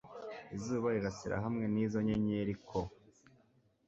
izuba rirasira hamwe nizo nyenyeri ko